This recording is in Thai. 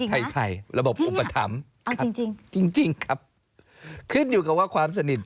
ไทยระบบอุปถัมภ์เอาจริงจริงครับขึ้นอยู่กับว่าความสนิท